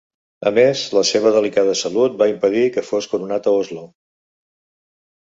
A més, la seva delicada salut va impedir que fos coronat a Oslo.